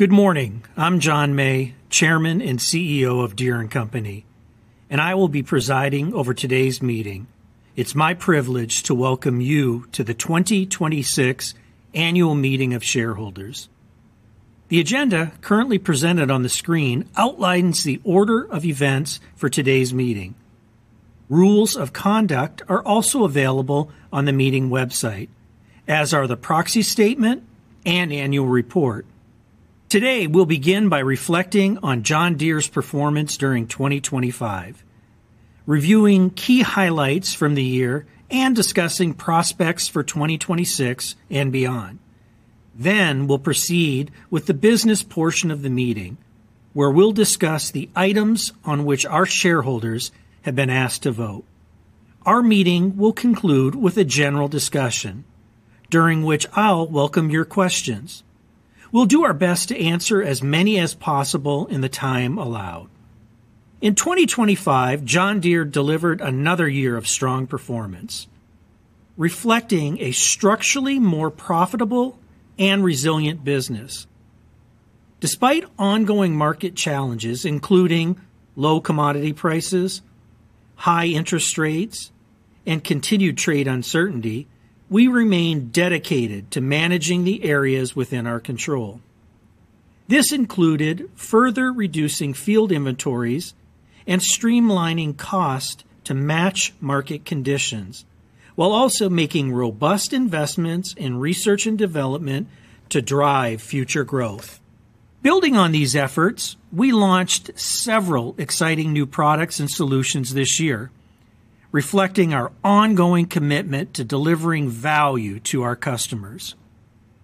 Good morning. I'm John May, Chairman and CEO of Deere & Company, and I will be presiding over today's meeting. It's my privilege to welcome you to the 2026 Annual Meeting of Shareholders. The agenda currently presented on the screen outlines the order of events for today's meeting. Rules of conduct are also available on the meeting website, as are the proxy statement and annual report. Today, we'll begin by reflecting on John Deere's performance during 2025, reviewing key highlights from the year, and discussing prospects for 2026 and beyond. We'll proceed with the business portion of the meeting, where we'll discuss the items on which our shareholders have been asked to vote. Our meeting will conclude with a general discussion, during which I'll welcome your questions. We'll do our best to answer as many as possible in the time allowed. In 2025, John Deere delivered another year of strong performance, reflecting a structurally more profitable and resilient business. Despite ongoing market challenges, including low commodity prices, high interest rates, and continued trade uncertainty, we remain dedicated to managing the areas within our control. This included further reducing field inventories and streamlining cost to match market conditions, while also making robust investments in research and development to drive future growth. Building on these efforts, we launched several exciting new products and solutions this year, reflecting our ongoing commitment to delivering value to our customers.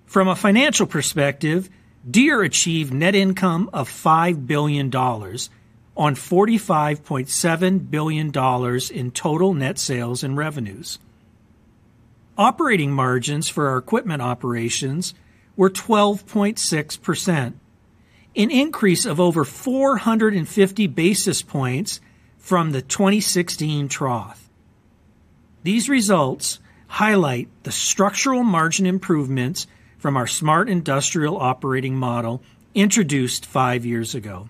From a financial perspective, Deere achieved net income of $5 billion on $45.7 billion in total net sales and revenues. Operating margins for our equipment operations were 12.6%, an increase of over 450 basis points from the 2016 trough. These results highlight the structural margin improvements from our Smart Industrial operating model introduced five years ago.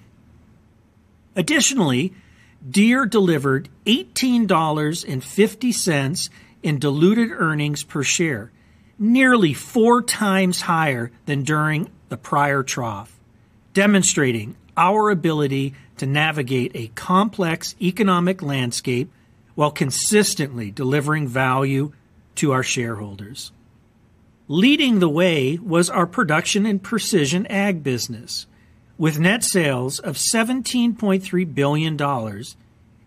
Deere delivered $18.50 in diluted earnings per share, nearly 4x higher than during the prior trough, demonstrating our ability to navigate a complex economic landscape while consistently delivering value to our shareholders. Leading the way was our production and precision ag business, with net sales of $17.3 billion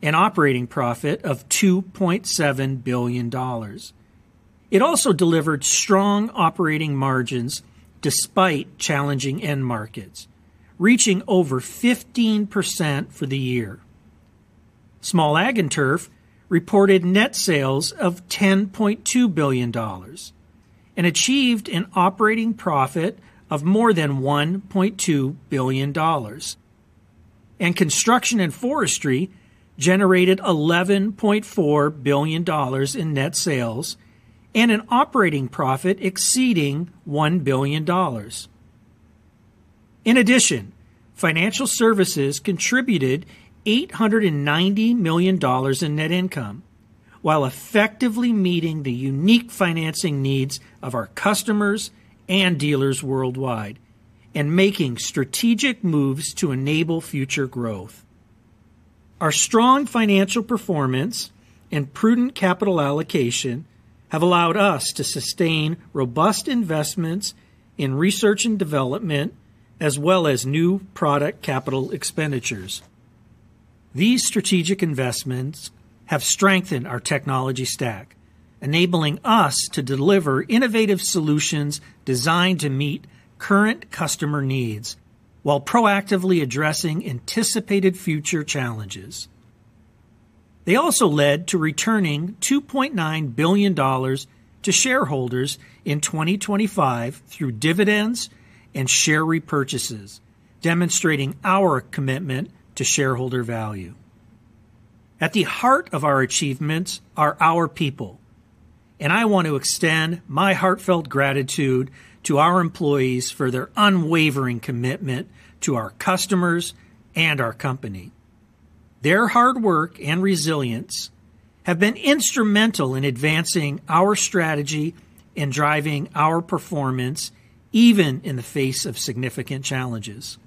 and operating profit of $2.7 billion. It also delivered strong operating margins despite challenging end markets, reaching over 15% for the year. Small Ag and Turf reported net sales of $10.2 billion and achieved an operating profit of more than $1.2 billion. Construction and Forestry generated $11.4 billion in net sales and an operating profit exceeding $1 billion. Financial Services contributed $890 million in net income, while effectively meeting the unique financing needs of our customers and dealers worldwide and making strategic moves to enable future growth. Our strong financial performance and prudent capital allocation have allowed us to sustain robust investments in research and development, as well as new product capital expenditures. These strategic investments have strengthened our technology stack, enabling us to deliver innovative solutions designed to meet current customer needs while proactively addressing anticipated future challenges. They also led to returning $2.9 billion to shareholders in 2025 through dividends and share repurchases, demonstrating our commitment to shareholder value. At the heart of our achievements are our people, I want to extend my heartfelt gratitude to our employees for their unwavering commitment to our customers and our company. Their hard work and resilience have been instrumental in advancing our strategy and driving our performance, even in the face of significant challenges.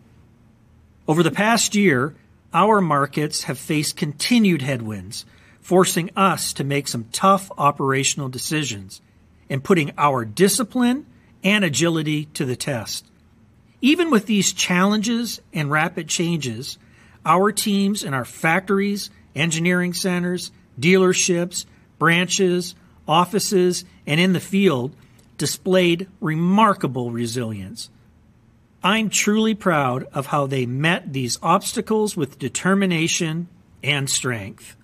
Over the past year, our markets have faced continued headwinds, forcing us to make some tough operational decisions and putting our discipline and agility to the test. Even with these challenges and rapid changes, our teams and our factories, engineering centers, dealerships, branches, offices, and in the field displayed remarkable resilience. I'm truly proud of how they met these obstacles with determination and strength.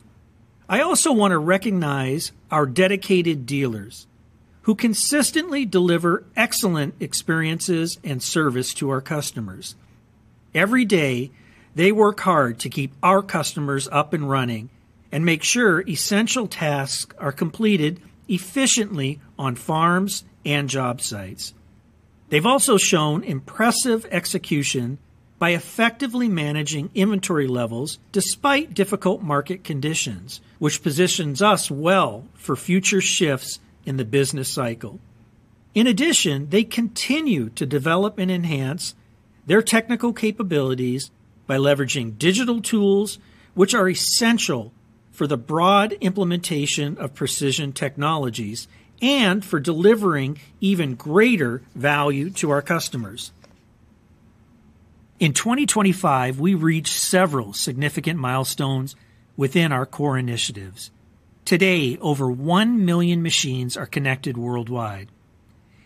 I also want to recognize our dedicated dealers, who consistently deliver excellent experiences and service to our customers. Every day, they work hard to keep our customers up and running and make sure essential tasks are completed efficiently on farms and job sites. They've also shown impressive execution by effectively managing inventory levels despite difficult market conditions, which positions us well for future shifts in the business cycle. In addition, they continue to develop and enhance their technical capabilities by leveraging digital tools, which are essential for the broad implementation of precision technologies and for delivering even greater value to our customers. In 2025, we reached several significant milestones within our core initiatives. Today, over 1 million machines are connected worldwide,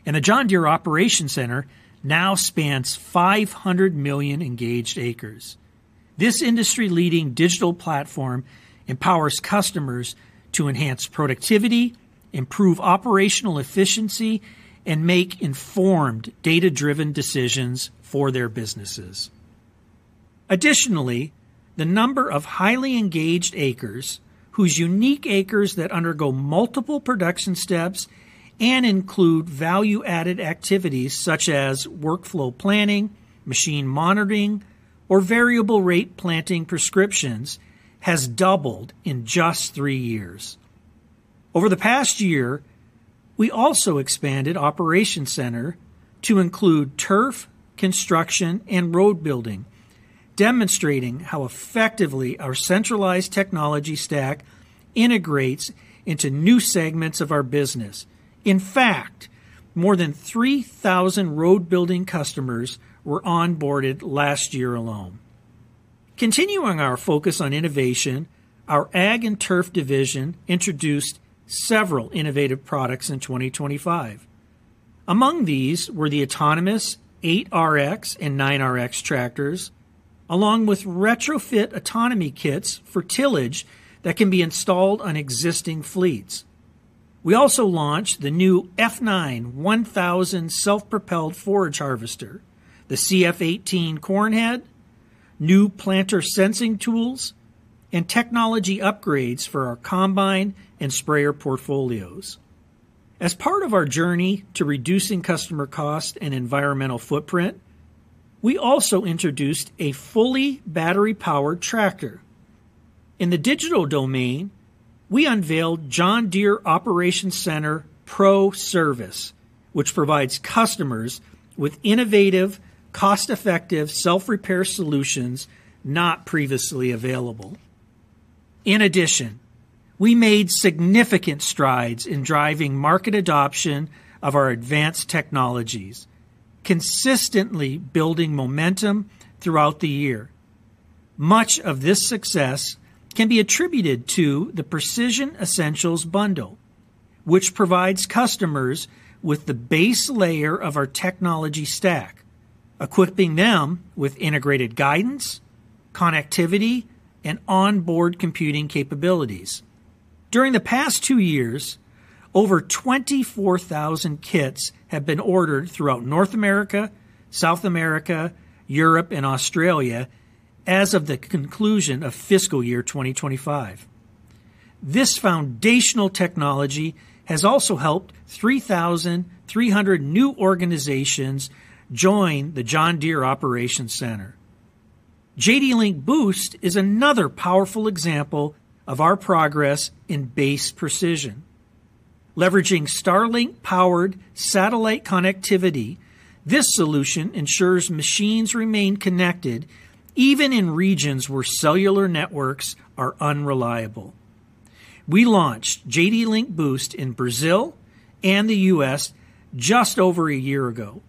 and the John Deere Operations Center now spans 500 million engaged acres. This industry-leading digital platform empowers customers to enhance productivity, improve operational efficiency, and make informed, data-driven decisions for their businesses. Additionally, the number of highly engaged acres, whose unique acres that undergo multiple production steps and include value-added activities such as workflow planning, machine monitoring, or variable rate planting prescriptions, has doubled in just three years. Over the past year, we also expanded operations center to include turf, construction, and road building, demonstrating how effectively our centralized technology stack integrates into new segments of our business. In fact, more than 3,000 road-building customers were onboarded last year alone. Continuing our focus on innovation, our Ag and Turf division introduced several innovative products in 2025. Among these were the autonomous 8RX and 9RX tractors, along with retrofit autonomy kits for tillage that can be installed on existing fleets. We also launched the new F9 1000 self-propelled forage harvester, the CF18 corn head, new planter sensing tools, and technology upgrades for our combine and sprayer portfolios. As part of our journey to reducing customer cost and environmental footprint, we also introduced a fully battery-powered tractor. In the digital domain, we unveiled John Deere Operations Center PRO Service, which provides customers with innovative, cost-effective, self-repair solutions not previously available. In addition, we made significant strides in driving market adoption of our advanced technologies, consistently building momentum throughout the year. Much of this success can be attributed to the Precision Essentials bundle, which provides customers with the base layer of our technology stack, equipping them with integrated guidance, connectivity, and onboard computing capabilities. During the past two years, over 24,000 kits have been ordered throughout North America, South America, Europe, and Australia as of the conclusion of fiscal year 2025. This foundational technology has also helped 3,300 new organizations join the John Deere Operations Center. JDLink Boost is another powerful example of our progress in base precision. Leveraging Starlink-powered satellite connectivity, this solution ensures machines remain connected even in regions where cellular networks are unreliable. We launched JDLink Boost in Brazil and the U.S. just over a year ago,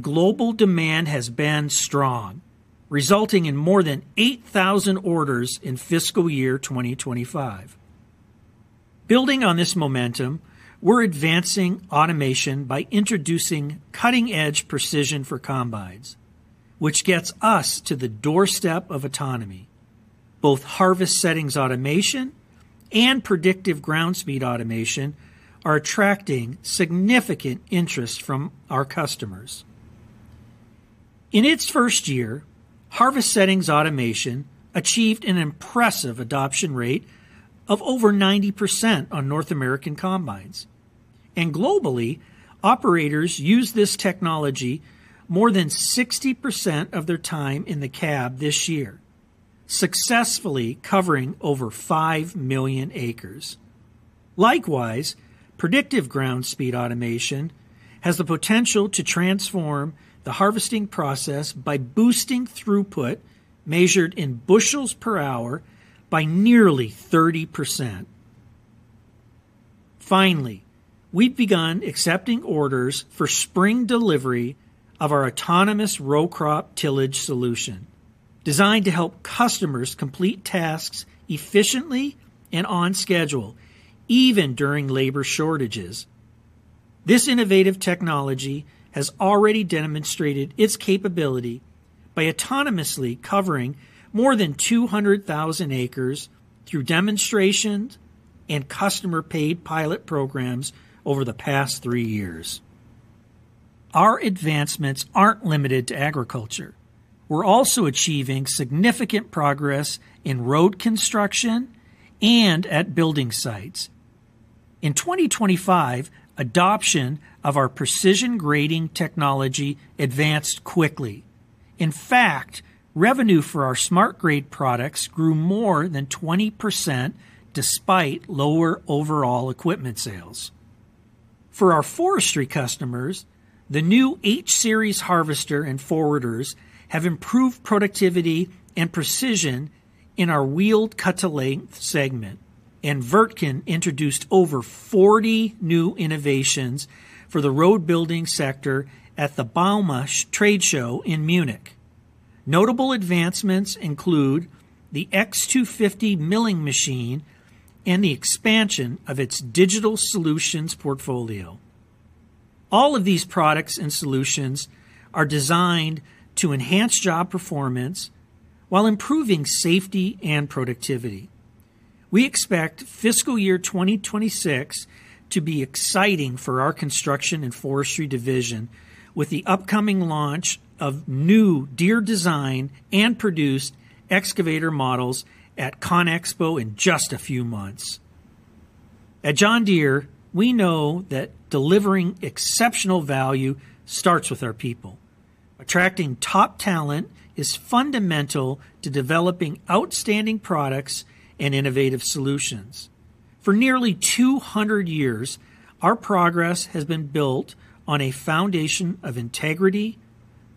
global demand has been strong, resulting in more than 8,000 orders in fiscal year 2025. Building on this momentum, we're advancing automation by introducing cutting-edge precision for combines, which gets us to the doorstep of autonomy. Both Harvest Settings Automation and Predictive Ground Speed Automation are attracting significant interest from our customers. In its first year, Harvest Settings Automation achieved an impressive adoption rate of over 90% on North American combines, globally, operators use this technology more than 60% of their time in the cab this year, successfully covering over 5 million acres. Likewise, Predictive Ground Speed Automation has the potential to transform the harvesting process by boosting throughput, measured in bushels per hour, by nearly 30%. Finally, we've begun accepting orders for spring delivery of our autonomous row crop tillage solution, designed to help customers complete tasks efficiently and on schedule, even during labor shortages. This innovative technology has already demonstrated its capability by autonomously covering more than 200,000 acres through demonstrations and customer-paid pilot programs over the past three years. Our advancements aren't limited to agriculture. We're also achieving significant progress in road construction and at building sites. In 2025, adoption of our precision grading technology advanced quickly. In fact, revenue for our SmartGrade products grew more than 20% despite lower overall equipment sales. For our forestry customers, the new H Series harvester and forwarders have improved productivity and precision in our wheeled cut-to-length segment. Wirtgen introduced over 40 new innovations for the road building sector at the bauma Trade Show in Munich. Notable advancements include the X-250 milling machine and the expansion of its digital solutions portfolio. All of these products and solutions are designed to enhance job performance while improving safety and productivity. We expect fiscal year 2026 to be exciting for our Construction and Forestry division, with the upcoming launch of new Deere-designed and produced excavator models at ConExpo in just a few months. At John Deere, we know that delivering exceptional value starts with our people. Attracting top talent is fundamental to developing outstanding products and innovative solutions. For nearly 200 years, our progress has been built on a foundation of integrity,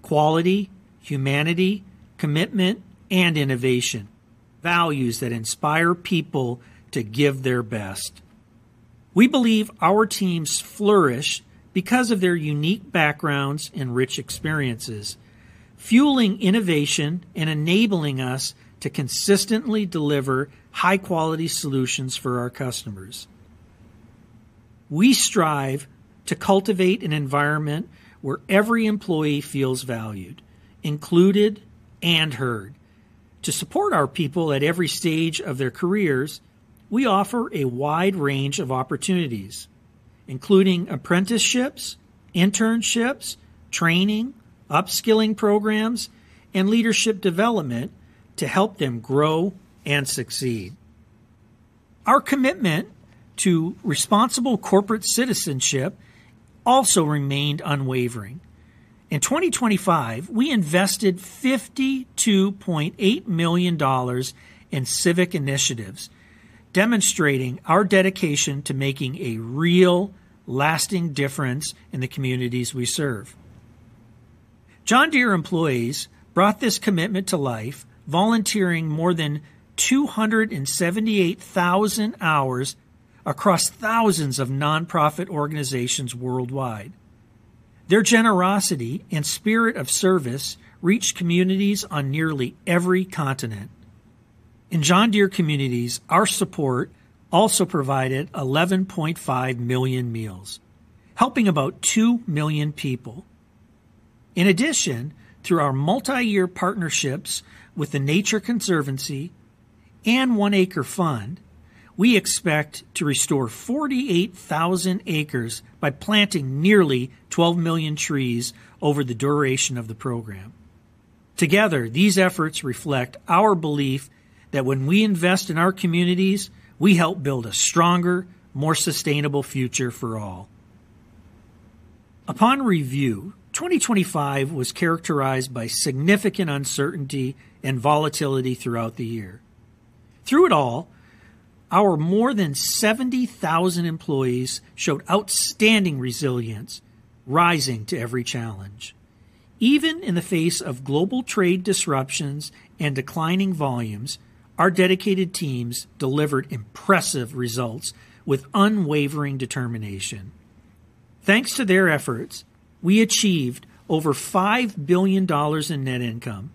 quality, humanity, commitment, and innovation, values that inspire people to give their best. We believe our teams flourish because of their unique backgrounds and rich experiences, fueling innovation and enabling us to consistently deliver high-quality solutions for our customers. We strive to cultivate an environment where every employee feels valued, included, and heard. To support our people at every stage of their careers, we offer a wide range of opportunities, including apprenticeships, internships, training, upskilling programs, and leadership development to help them grow and succeed. Our commitment to responsible corporate citizenship also remained unwavering. In 2025, we invested $52.8 million in civic initiatives, demonstrating our dedication to making a real, lasting difference in the communities we serve. John Deere employees brought this commitment to life, volunteering more than 278,000 hours across thousands of nonprofit organizations worldwide. Their generosity and spirit of service reached communities on nearly every continent. In John Deere communities, our support also provided 11.5 million meals, helping about 2 million people. In addition, through our multi-year partnerships with The Nature Conservancy and One Acre Fund, we expect to restore 48,000 acres by planting nearly 12 million trees over the duration of the program. Together, these efforts reflect our belief that when we invest in our communities, we help build a stronger, more sustainable future for all. Upon review, 2025 was characterized by significant uncertainty and volatility throughout the year. Through it all, our more than 70,000 employees showed outstanding resilience, rising to every challenge. Even in the face of global trade disruptions and declining volumes, our dedicated teams delivered impressive results with unwavering determination. Thanks to their efforts, we achieved over $5 billion in net income,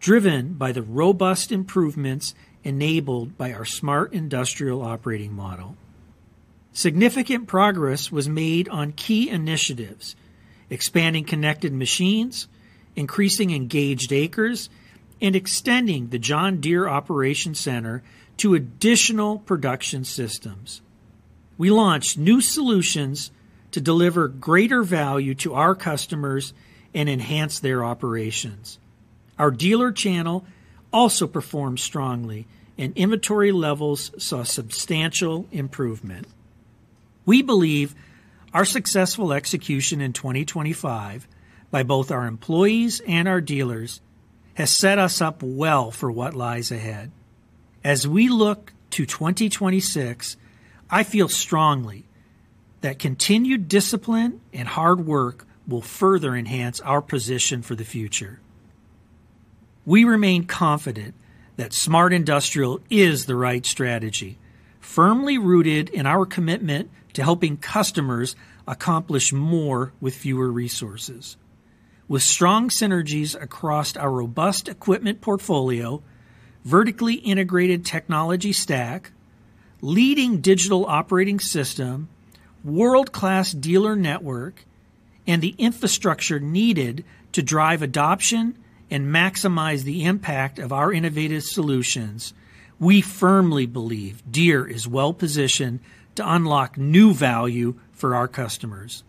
driven by the robust improvements enabled by our Smart Industrial operating model. Significant progress was made on key initiatives: expanding connected machines, increasing engaged acres, and extending the John Deere Operations Center to additional production systems. We launched new solutions to deliver greater value to our customers and enhance their operations. Our dealer channel also performed strongly, and inventory levels saw substantial improvement. We believe our successful execution in 2025 by both our employees and our dealers has set us up well for what lies ahead. As we look to 2026, I feel strongly that continued discipline and hard work will further enhance our position for the future. We remain confident that Smart Industrial is the right strategy, firmly rooted in our commitment to helping customers accomplish more with fewer resources. With strong synergies across our robust equipment portfolio, vertically integrated technology stack, leading digital operating system, world-class dealer network, and the infrastructure needed to drive adoption and maximize the impact of our innovative solutions, we firmly believe Deere is well-positioned to unlock new value for our customers.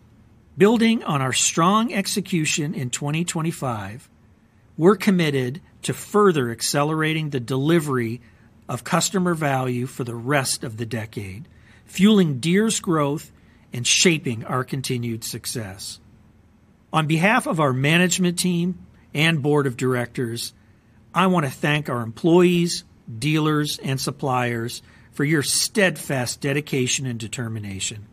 Building on our strong execution in 2025, we're committed to further accelerating the delivery of customer value for the rest of the decade, fueling Deere's growth and shaping our continued success. On behalf of our management team and board of directors, I want to thank our employees, dealers, and suppliers for your steadfast dedication and determination.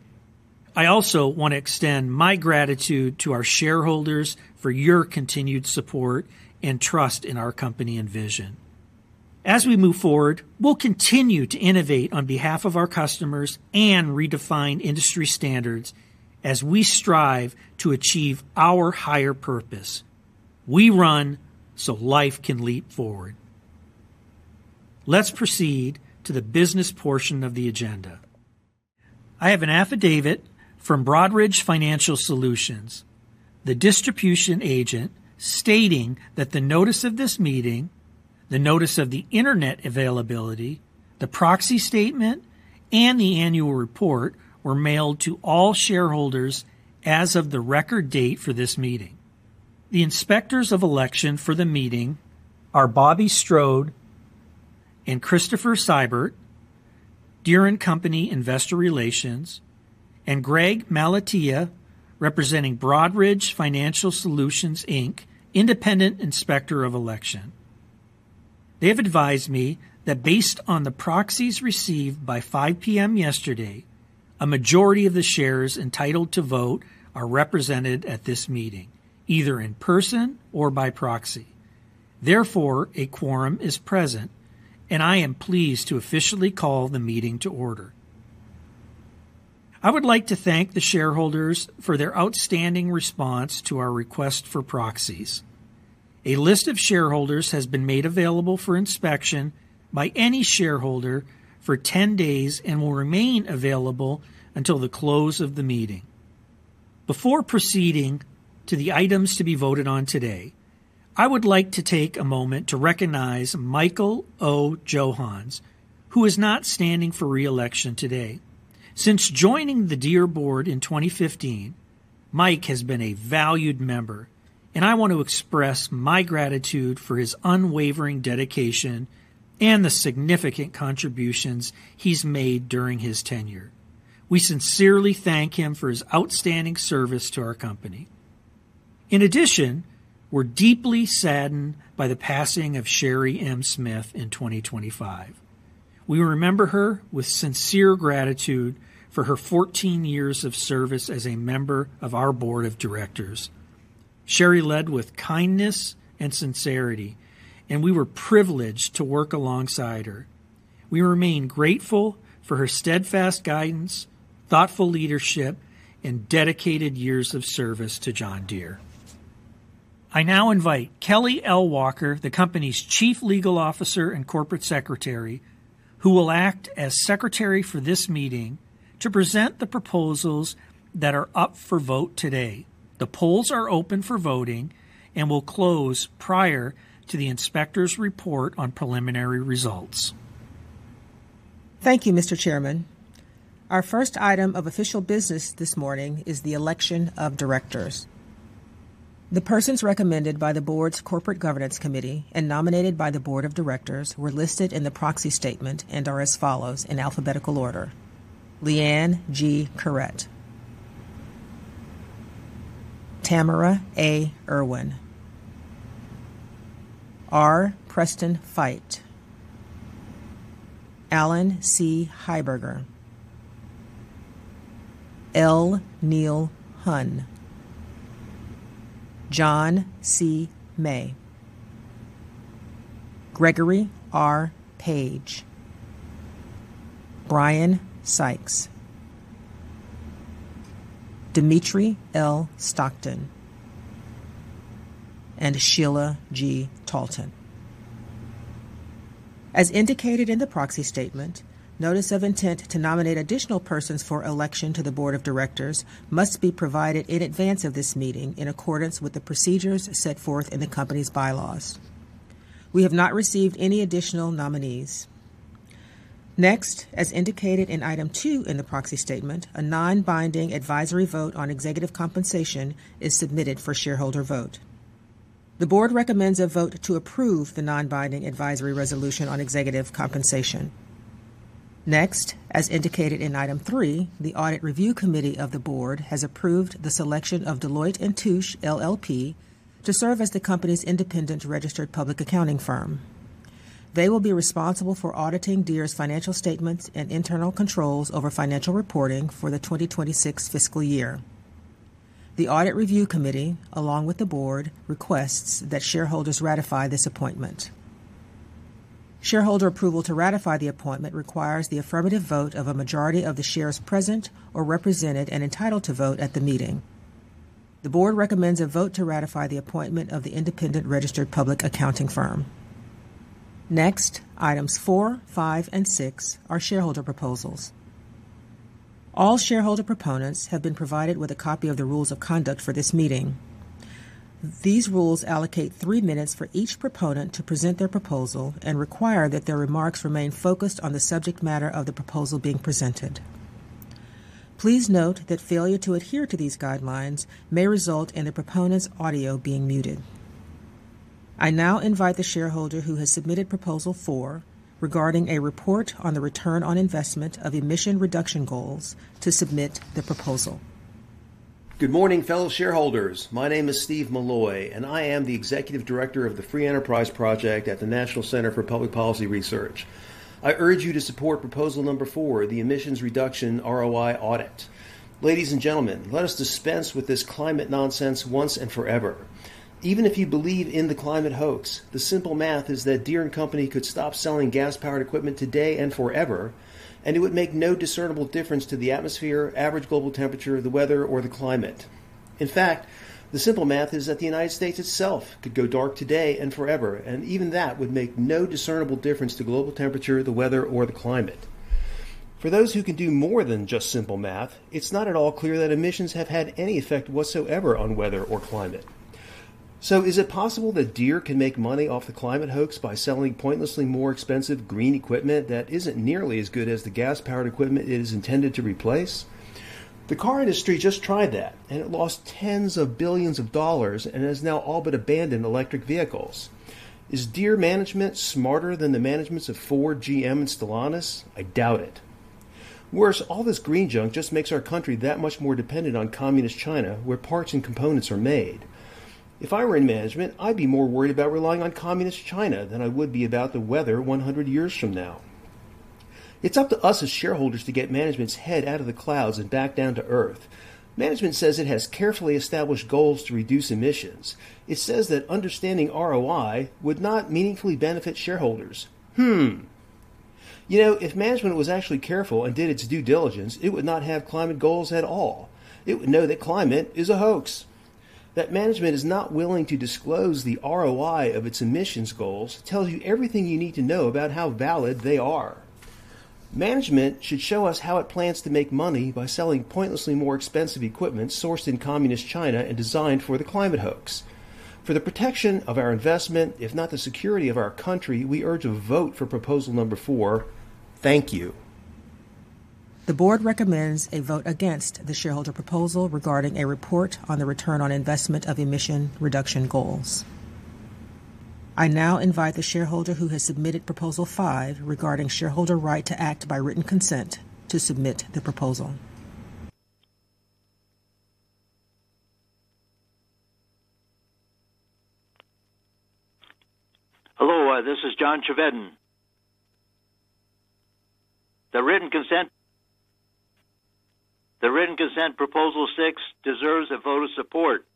I also want to extend my gratitude to our shareholders for your continued support and trust in our company and vision. As we move forward, we'll continue to innovate on behalf of our customers and redefine industry standards as we strive to achieve our higher purpose: We run so life can leap forward. Let's proceed to the business portion of the agenda. I have an affidavit from Broadridge Financial Solutions, the distribution agent, stating that the notice of this meeting, the notice of the internet availability, the proxy statement, and the annual report were mailed to all shareholders as of the record date for this meeting. The inspectors of election for the meeting are Bobby Strode and Christopher Seibert, Deere & Company Investor Relations, and Greg Malatesta, representing Broadridge Financial Solutions, Inc., independent inspector of election. They have advised me that based on the proxies received by 5:00 P.M. yesterday, a majority of the shares entitled to vote are represented at this meeting, either in person or by proxy. Therefore, a quorum is present. I am pleased to officially call the meeting to order. I would like to thank the shareholders for their outstanding response to our request for proxies. A list of shareholders has been made available for inspection by any shareholder for 10 days and will remain available until the close of the meeting. Before proceeding to the items to be voted on today, I would like to take a moment to recognize Michael O. Johanns, who is not standing for re-election today. Since joining the Deere board in 2015, Mike has been a valued member, and I want to express my gratitude for his unwavering dedication and the significant contributions he's made during his tenure. We sincerely thank him for his outstanding service to our company. In addition, we're deeply saddened by the passing of Sherry M. Smith in 2025. We remember her with sincere gratitude for her 14 years of service as a member of our board of directors. Sherry led with kindness and sincerity, and we were privileged to work alongside her. We remain grateful for her steadfast guidance, thoughtful leadership, and dedicated years of service to John Deere. I now invite Kellye Walker, the company's Chief Legal Officer and Corporate Secretary, who will act as Secretary for this meeting, to present the proposals that are up for vote today. The polls are open for voting and will close prior to the inspector's report on preliminary results. Thank you, Mr. Chairman. Our first item of official business this morning is the election of directors. The persons recommended by the board's Corporate Governance Committee and nominated by the board of directors were listed in the proxy statement and are as follows in alphabetical order: Leanne G. Caret, Tamra A. Erwin, R. Preston Feight, Alan C. Heuberger, L. Neil Hunn, John C. May, Gregory R. Page, Brian Sikes, Dmitri L. Stockton, and Sheila G. Talton. As indicated in the proxy statement, notice of intent to nominate additional persons for election to the board of directors must be provided in advance of this meeting in accordance with the procedures set forth in the company's bylaws. We have not received any additional nominees. Next, as indicated in item two in the proxy statement, a non-binding advisory vote on executive compensation is submitted for shareholder vote. The board recommends a vote to approve the non-binding advisory resolution on executive compensation. Next, as indicated in item three, the Audit Review Committee of the board has approved the selection of Deloitte & Touche LLP to serve as the company's independent registered public accounting firm. They will be responsible for auditing Deere's financial statements and internal controls over financial reporting for the 2026 fiscal year. The Audit Review Committee, along with the board, requests that shareholders ratify this appointment. Shareholder approval to ratify the appointment requires the affirmative vote of a majority of the shares present or represented and entitled to vote at the meeting. The board recommends a vote to ratify the appointment of the independent registered public accounting firm. Next, items four, five, and six are shareholder proposals. All shareholder proponents have been provided with a copy of the rules of conduct for this meeting. These rules allocate three minutes for each proponent to present their proposal and require that their remarks remain focused on the subject matter of the proposal being presented. Please note that failure to adhere to these guidelines may result in the proponent's audio being muted. I now invite the shareholder who has submitted Proposal 4, regarding a report on the return on investment of emission reduction goals, to submit the proposal. Good morning, fellow shareholders. My name is Steve Milloy, and I am the Executive Director of the Free Enterprise Project at the National Center for Public Policy Research. I urge you to support Proposal Number 4, the emissions reduction ROI audit. Ladies and gentlemen, let us dispense with this climate nonsense once and forever. Even if you believe in the climate hoax, the simple math is that Deere & Company could stop selling gas-powered equipment today and forever, and it would make no discernible difference to the atmosphere, average global temperature, the weather, or the climate. In fact, the simple math is that the United States itself could go dark today and forever, and even that would make no discernible difference to global temperature, the weather, or the climate. For those who can do more than just simple math, it's not at all clear that emissions have had any effect whatsoever on weather or climate. Is it possible that Deere can make money off the climate hoax by selling pointlessly more expensive green equipment that isn't nearly as good as the gas-powered equipment it is intended to replace? The car industry just tried that, and it lost tens of billions of dollars and has now all but abandoned electric vehicles. Is Deere management smarter than the managements of Ford, GM, and Stellantis? I doubt it. Worse, all this green junk just makes our country that much more dependent on communist China, where parts and components are made. If I were in management, I'd be more worried about relying on communist China than I would be about the weather 100 years from now. It's up to us as shareholders to get management's head out of the clouds and back down to Earth. Management says it has carefully established goals to reduce emissions. It says that understanding ROI would not meaningfully benefit shareholders. You know, if management was actually careful and did its due diligence, it would not have climate goals at all. It would know that climate is a hoax. That management is not willing to disclose the ROI of its emissions goals tells you everything you need to know about how valid they are. Management should show us how it plans to make money by selling pointlessly more expensive equipment sourced in communist China and designed for the climate hoax. For the protection of our investment, if not the security of our country, we urge a vote for Proposal number four. Thank you. The board recommends a vote against the shareholder proposal regarding a report on the return on investment of emission reduction goals. I now invite the shareholder who has submitted Proposal 5, regarding shareholder right to act by written consent, to submit the proposal. Hello, this is John Chevedden. The written consent, Proposal 6, deserves a vote of support.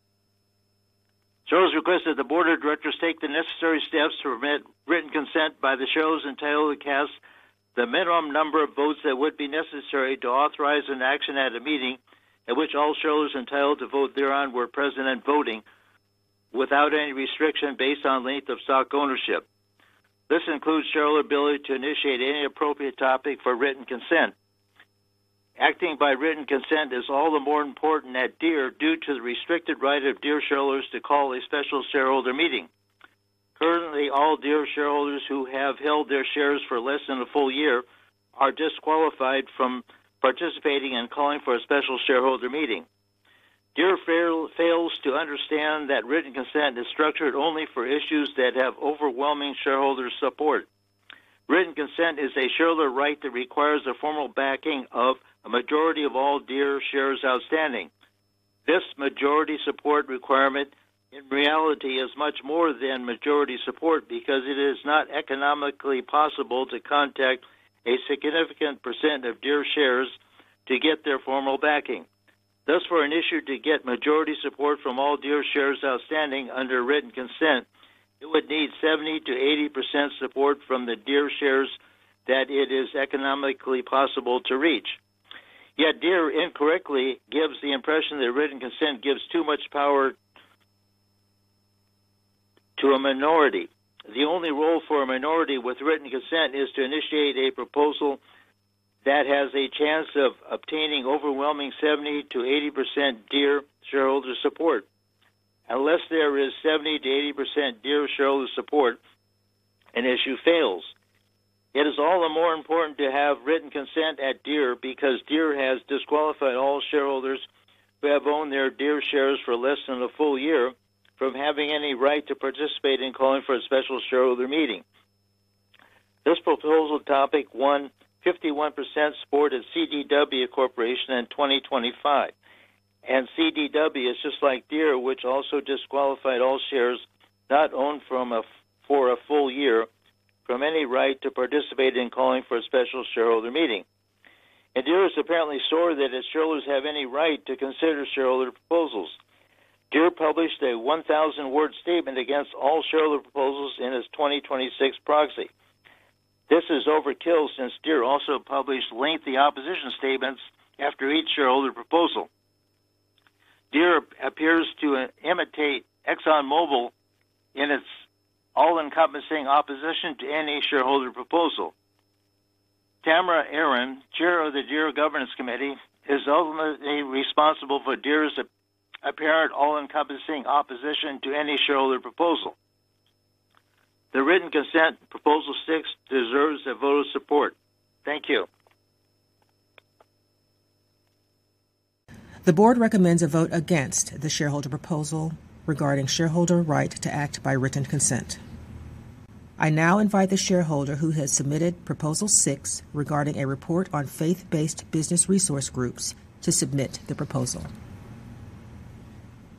Shares request that the board of directors take the necessary steps to permit written consent by the shareholders entitled to cast the minimum number of votes that would be necessary to authorize an action at a meeting at which all shareholders entitled to vote thereon were present and voting, without any restriction based on length of stock ownership. This includes shareholder ability to initiate any appropriate topic for written consent. Acting by written consent is all the more important at Deere due to the restricted right of Deere shareholders to call a special shareholder meeting. Currently, all Deere shareholders who have held their shares for less than a full year are disqualified from participating and calling for a special shareholder meeting. Deere fails to understand that written consent is structured only for issues that have overwhelming shareholder support. Written consent is a shareholder right that requires the formal backing of a majority of all Deere shares outstanding. This majority support requirement, in reality, is much more than majority support because it is not economically possible to contact a significant percent of Deere shares to get their formal backing. Thus, for an issue to get majority support from all Deere shares outstanding under written consent, it would need 70%-80% support from the Deere shares that it is economically possible to reach. Yet Deere incorrectly gives the impression that written consent gives too much power to a minority. The only role for a minority with written consent is to initiate a proposal that has a chance of obtaining overwhelming 70%-80% Deere shareholder support. Unless there is 70%-80% Deere shareholder support, an issue fails. It is all the more important to have written consent at Deere because Deere has disqualified all shareholders who have owned their Deere shares for less than a full year from having any right to participate in calling for a special shareholder meeting. This proposal topic won 51% support at CDW Corporation in 2025, CDW is just like Deere, which also disqualified all shares not owned for a full year, from any right to participate in calling for a special shareholder meeting. Deere is apparently sure that its shareholders have any right to consider shareholder proposals. Deere published a 1,000-word statement against all shareholder proposals in its 2026 proxy. Also published lengthy opposition statements after each shareholder proposal. Deere appears to imitate ExxonMobil in its all-encompassing opposition to any shareholder proposal. Tamra Erwin, Chair of the Deere Governance Committee, is ultimately responsible for Deere's apparent all-encompassing opposition to any shareholder proposal. The written consent, Proposal 6, deserves a vote of support. Thank you. The board recommends a vote against the shareholder proposal regarding shareholder right to act by written consent. I now invite the shareholder who has submitted Proposal 6, regarding a report on faith-based business resource groups, to submit the proposal.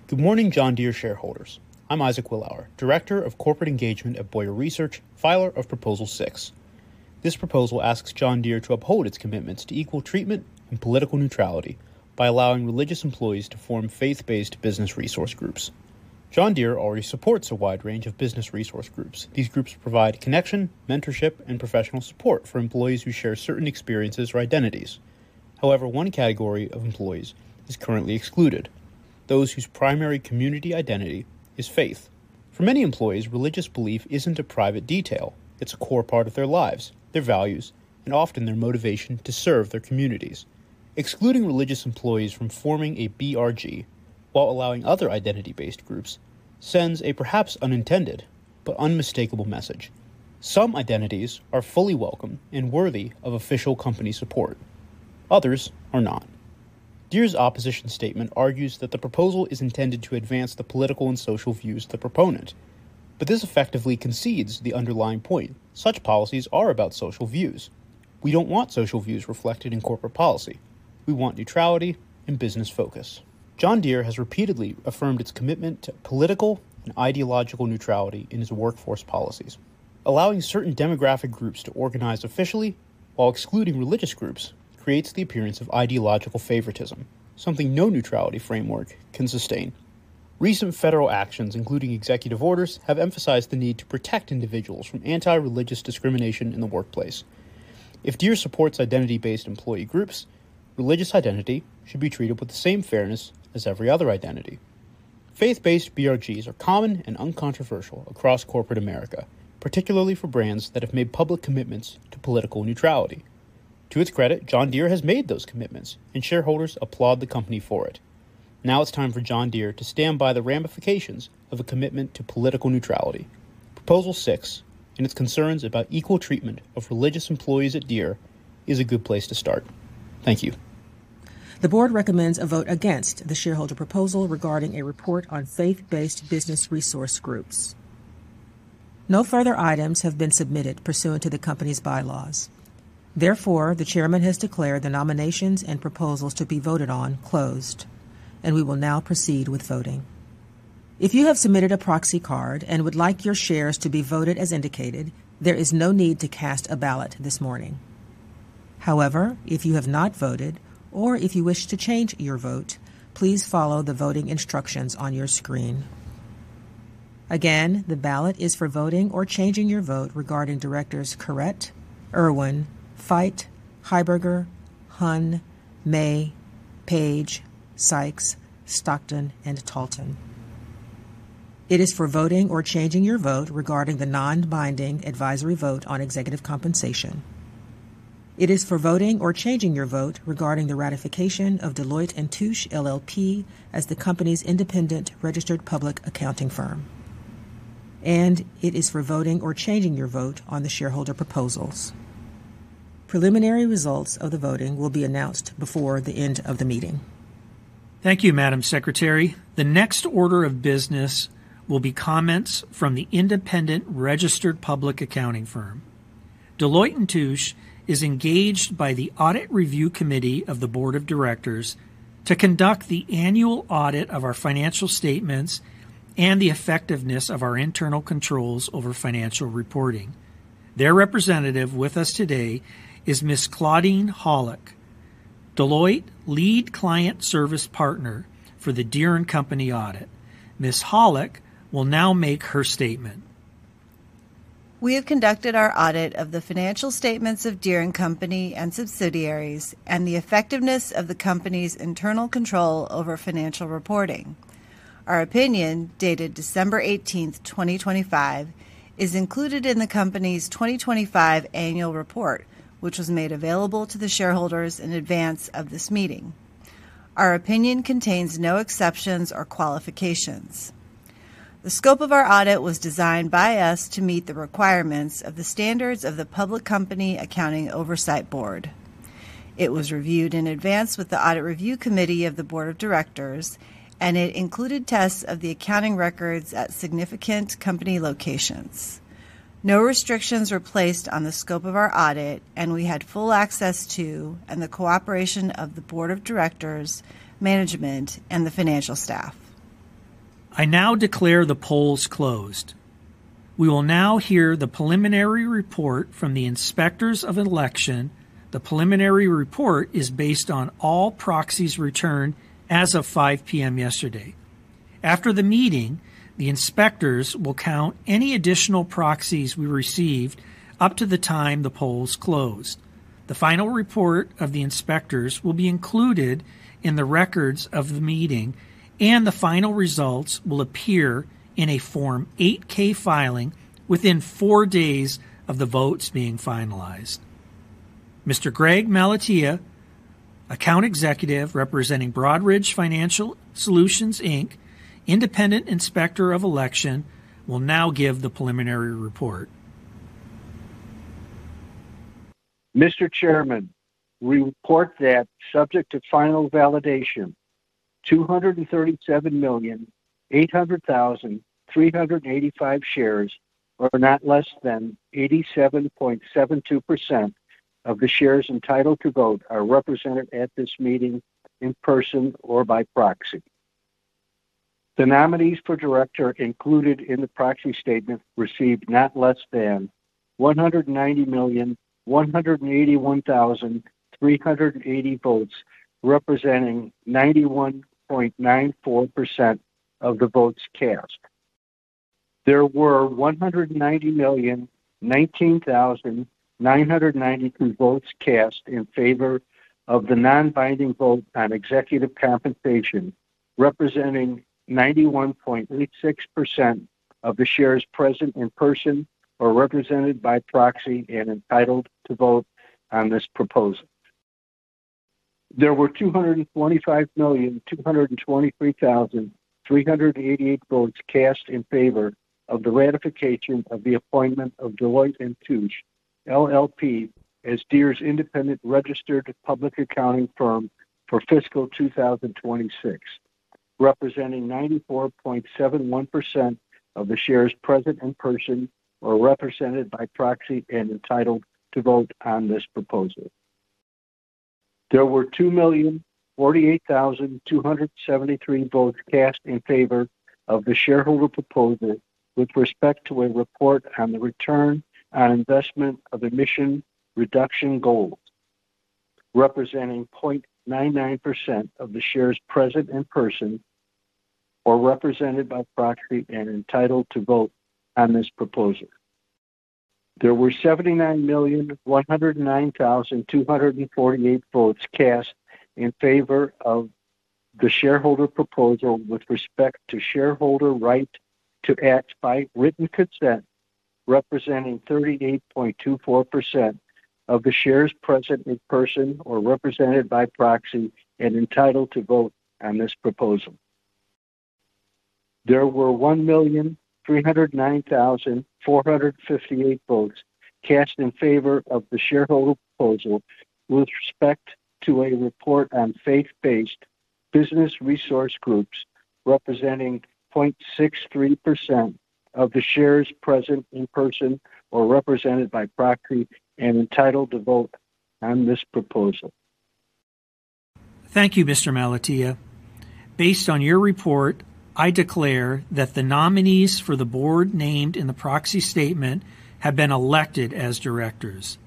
Good morning, John Deere shareholders. I'm Isaac Willour, Director of Corporate Engagement at Bowyer Research, filer of Proposal 6. This proposal asks John Deere to uphold its commitments to equal treatment and political neutrality by allowing religious employees to form faith-based business resource groups. John Deere already supports a wide range of business resource groups. These groups provide connection, mentorship, and professional support for employees who share certain experiences or identities. However, one category of employees is currently excluded, those whose primary community identity is faith. For many employees, religious belief isn't a private detail, it's a core part of their lives, their values, and often their motivation to serve their communities. Excluding religious employees from forming a BRG while allowing other identity-based groups sends a perhaps unintended but unmistakable message: Some identities are fully welcome and worthy of official company support, others are not. Deere's opposition statement argues that the proposal is intended to advance the political and social views of the proponent, but this effectively concedes the underlying point. Such policies are about social views. We don't want social views reflected in corporate policy. We want neutrality and business focus. John Deere has repeatedly affirmed its commitment to political and ideological neutrality in its workforce policies. Allowing certain demographic groups to organize officially while excluding religious groups creates the appearance of ideological favoritism, something no neutrality framework can sustain. Recent federal actions, including executive orders, have emphasized the need to protect individuals from anti-religious discrimination in the workplace. If Deere supports identity-based employee groups, religious identity should be treated with the same fairness as every other identity. Faith-based BRGs are common and uncontroversial across corporate America, particularly for brands that have made public commitments to political neutrality. To its credit, John Deere has made those commitments, and shareholders applaud the company for it. Now it's time for John Deere to stand by the ramifications of a commitment to political neutrality. Proposal 6, and its concerns about equal treatment of religious employees at Deere, is a good place to start. Thank you. The board recommends a vote against the shareholder proposal regarding a report on faith-based business resource groups. No further items have been submitted pursuant to the company's bylaws. The Chairman has declared the nominations and proposals to be voted on closed, and we will now proceed with voting. If you have submitted a proxy card and would like your shares to be voted as indicated, there is no need to cast a ballot this morning. If you have not voted or if you wish to change your vote, please follow the voting instructions on your screen. The ballot is for voting or changing your vote regarding Directors Caret, Erwin, Feight, Heuberger, Hunn, May, Page, Sikes, Stockton, and Talton. It is for voting or changing your vote regarding the non-binding advisory vote on executive compensation. It is for voting or changing your vote regarding the ratification of Deloitte & Touche, LLP as the company's independent registered public accounting firm. It is for voting or changing your vote on the shareholder proposals. Preliminary results of the voting will be announced before the end of the meeting. Thank you, Madam Secretary. The next order of business will be comments from the independent registered public accounting firm. Deloitte & Touche is engaged by the Audit Review Committee of the Board of Directors to conduct the annual audit of our financial statements and the effectiveness of our internal controls over financial reporting. Their representative with us today is Ms. Claudine Hollock, Deloitte Lead Client Service Partner for the Deere & Company audit. Ms. Hollock will now make her statement. We have conducted our audit of the financial statements of Deere & Company and subsidiaries and the effectiveness of the company's internal control over financial reporting. Our opinion, dated December 18th, 2025, is included in the company's 2025 annual report, which was made available to the shareholders in advance of this meeting. Our opinion contains no exceptions or qualifications. The scope of our audit was designed by us to meet the requirements of the standards of the Public Company Accounting Oversight Board. It was reviewed in advance with the Audit Review Committee of the Board of Directors, and it included tests of the accounting records at significant company locations. No restrictions were placed on the scope of our audit, and we had full access to and the cooperation of the board of directors, management, and the financial staff. I now declare the polls closed. We will now hear the preliminary report from the Inspectors of Election. The preliminary report is based on all proxies returned as of 5:00 P.M. yesterday. After the meeting, the inspectors will count any additional proxies we received up to the time the polls closed. The final report of the inspectors will be included in the records of the meeting, and the final results will appear in a Form 8-K filing within four days of the votes being finalized. Mr. Greg Malatesta, Account Executive representing Broadridge Financial Solutions, Inc, Independent Inspector of Election, will now give the preliminary report. Mr. Chairman, we report that subject to final validation, 237,800,385 shares, or not less than 87.72% of the shares entitled to vote, are represented at this meeting in person or by proxy. The nominees for director included in the proxy statement received not less than 190,181,380 votes, representing 91.94% of the votes cast. There were 190,019,992 votes cast in favor of the non-binding vote on executive compensation, representing 91.86% of the shares present in person or represented by proxy and entitled to vote on this proposal. There were 225,223,388 votes cast in favor of the ratification of the appointment of Deloitte & Touche, LLP, as Deere's independent registered public accounting firm for fiscal 2026, representing 94.71% of the shares present in person or represented by proxy and entitled to vote on this proposal. There were 2,048,273 votes cast in favor of the shareholder proposal with respect to a report on the return on investment of emission reduction goals, representing 0.99% of the shares present in person or represented by proxy and entitled to vote on this proposal. There were 79,109,248 votes cast in favor of the shareholder proposal with respect to shareholder right to act by written consent, representing 38.24% of the shares present in person or represented by proxy and entitled to vote on this proposal. There were 1,309,458 votes cast in favor of the shareholder proposal with respect to a report on faith-based business resource groups, representing 0.63% of the shares present in person or represented by proxy and entitled to vote on this proposal. Thank you, Mr. Malatesta. Based on your report, I declare that the nominees for the board named in the proxy statement have been elected as directors.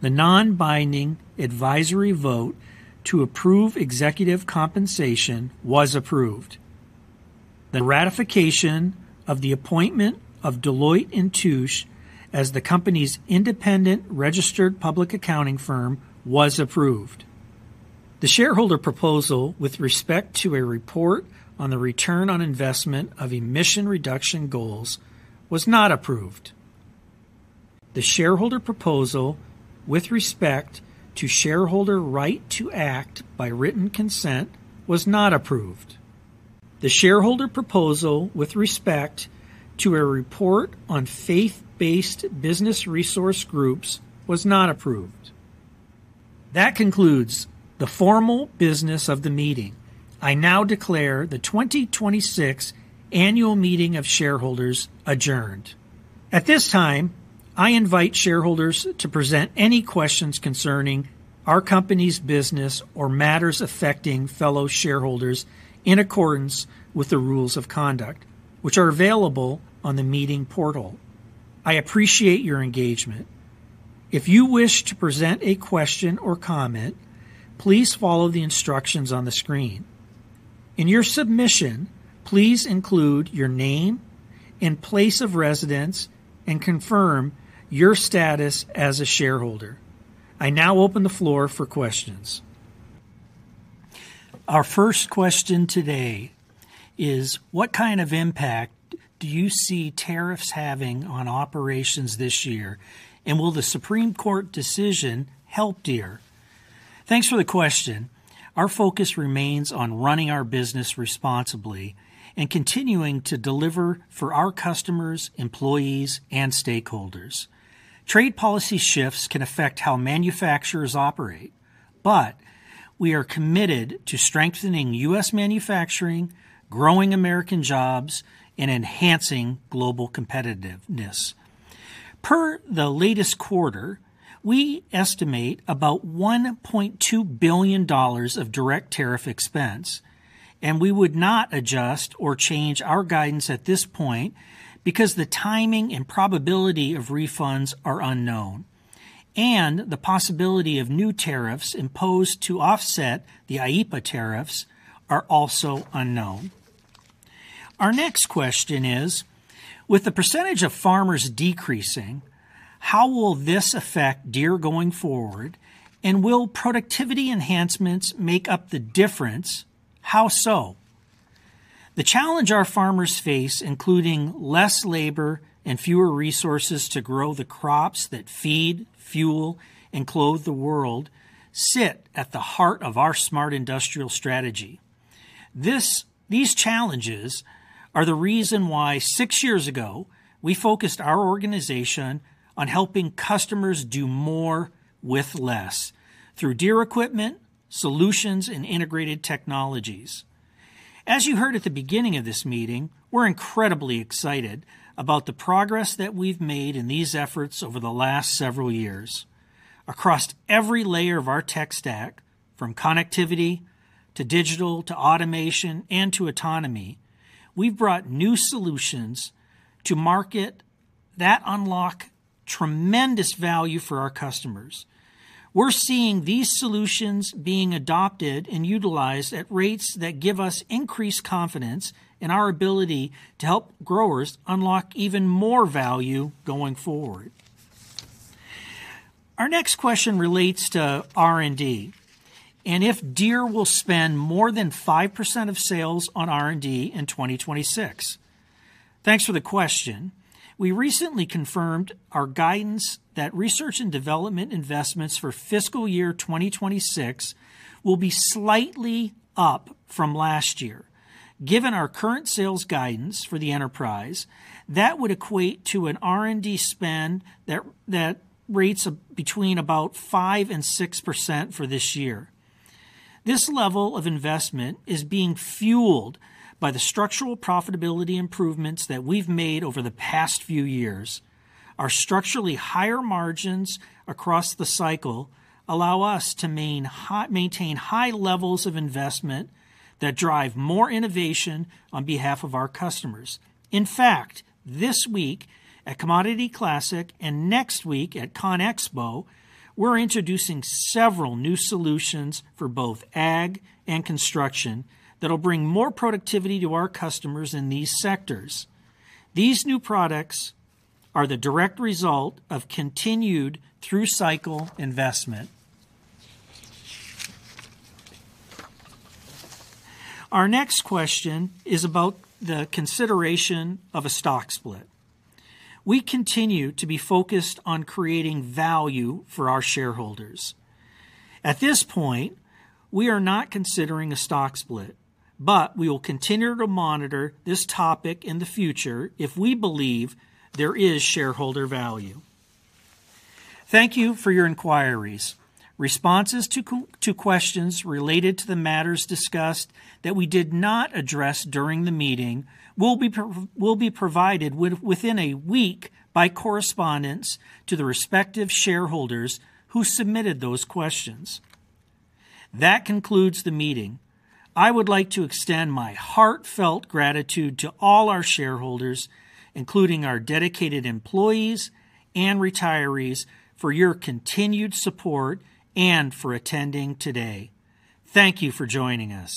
The non-binding advisory vote to approve executive compensation was approved. The ratification of the appointment of Deloitte & Touche as the company's independent registered public accounting firm was approved. The shareholder proposal with respect to a report on the return on investment of emission reduction goals was not approved. The shareholder proposal with respect to shareholder right to act by written consent was not approved. The shareholder proposal with respect to a report on faith-based business resource groups was not approved. That concludes the formal business of the meeting. I now declare the 2026 Annual Meeting of Shareholders adjourned. At this time, I invite shareholders to present any questions concerning our company's business or matters affecting fellow shareholders in accordance with the rules of conduct, which are available on the meeting portal. I appreciate your engagement. If you wish to present a question or comment, please follow the instructions on the screen. In your submission, please include your name and place of residence, and confirm your status as a shareholder. I now open the floor for questions. Our first question today is: What kind of impact do you see tariffs having on operations this year, and will the Supreme Court decision help Deere? Thanks for the question. Our focus remains on running our business responsibly and continuing to deliver for our customers, employees, and stakeholders. Trade policy shifts can affect how manufacturers operate, but we are committed to strengthening U.S. manufacturing, growing American jobs, and enhancing global competitiveness. Per the latest quarter, we estimate about $1.2 billion of direct tariff expense. We would not adjust or change our guidance at this point because the timing and probability of refunds are unknown. The possibility of new tariffs imposed to offset the IEEPA tariffs are also unknown. Our next question is, with the percentage of farmers decreasing, how will this affect Deere going forward, and will productivity enhancements make up the difference? How so? The challenge our farmers face, including less labor and fewer resources to grow the crops that feed, fuel, and clothe the world, sit at the heart of our Smart Industrial strategy. These challenges are the reason why, six years ago, we focused our organization on helping customers do more with less through Deere equipment, solutions, and integrated technologies. As you heard at the beginning of this meeting, we're incredibly excited about the progress that we've made in these efforts over the last several years. Across every layer of our tech stack, from connectivity to digital to automation and to autonomy, we've brought new solutions to market that unlock tremendous value for our customers. We're seeing these solutions being adopted and utilized at rates that give us increased confidence in our ability to help growers unlock even more value going forward. Our next question relates to R&D, and if Deere will spend more than 5% of sales on R&D in 2026. Thanks for the question. We recently confirmed our guidance that research and development investments for fiscal year 2026 will be slightly up from last year. Given our current sales guidance for the enterprise, that would equate to an R&D spend that rates between about 5% and 6% for this year. This level of investment is being fueled by the structural profitability improvements that we've made over the past few years. Our structurally higher margins across the cycle allow us to maintain high levels of investment that drive more innovation on behalf of our customers. In fact, this week at Commodity Classic and next week at CONEXPO, we're introducing several new solutions for both ag and construction that'll bring more productivity to our customers in these sectors. These new products are the direct result of continued through-cycle investment. Our next question is about the consideration of a stock split. We continue to be focused on creating value for our shareholders. At this point, we are not considering a stock split. We will continue to monitor this topic in the future if we believe there is shareholder value. Thank you for your inquiries. Responses to questions related to the matters discussed that we did not address during the meeting will be provided within a week by correspondence to the respective shareholders who submitted those questions. That concludes the meeting. I would like to extend my heartfelt gratitude to all our shareholders, including our dedicated employees and retirees, for your continued support and for attending today. Thank you for joining us.